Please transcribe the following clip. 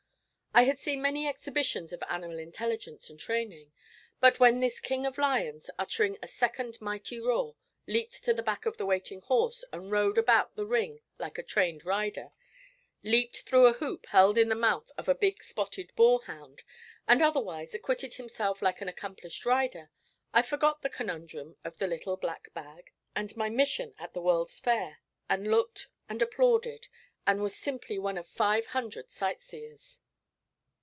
I had seen many exhibitions of animal intelligence and training, but when this king of lions, uttering a second mighty roar, leaped to the back of the waiting horse and rode about the ring like a trained rider, leaped through a hoop held in the mouth of a big spotted boarhound, and otherwise acquitted himself like an accomplished rider, I forgot the conundrum of the little black bag, and my mission at the World's Fair, and looked and applauded, and was simply one of five hundred sight seers.